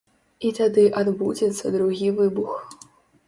І тады адбудзецца другі выбух.